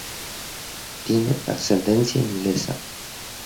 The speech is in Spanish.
Tiene ascendencia inglesa.